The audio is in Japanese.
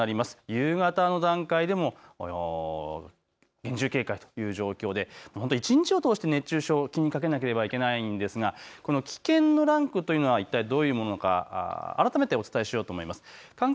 夕方の段階でも厳重警戒という状況で一日を通して熱中症、気にかけなければいけないんですが、この危険度ランクというのは一体どういうものか改めてお伝えしようと思います。